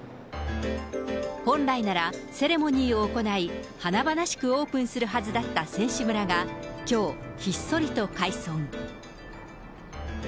本来ならセレモニーを行い、華々しくオープンするはずだった選手村がきょう、ひっそりと開村。